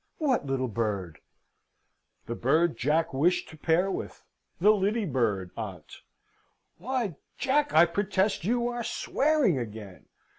"What little bird?" "The bird Jack wished to pair with: the Lyddy bird, aunt. Why, Jack, I protest you are swearing again!